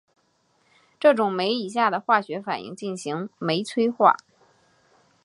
这种酶以下的化学反应进行酶催化。